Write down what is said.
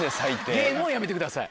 ゲームをやめてください。